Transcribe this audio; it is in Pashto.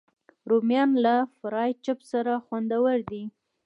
رومیان له فرای چپس سره خوندور دي